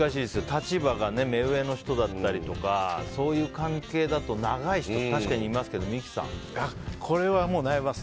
立場が目上の人だったりとかそういう関係だと長い人は確かにいますけどこれは悩みます。